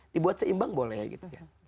dibuat seimbang boleh gitu ya